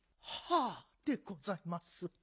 はあでございます。